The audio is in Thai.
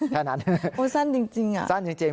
แค่นั้นโอ้สั้นจริงอ่ะสั้นจริง